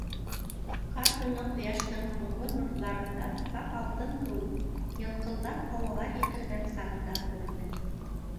Ҡарт уны ҡояштың һуңғы нурҙарында саф алтын кеүек йылҡылдап һауаға һикергән сағында күрҙе.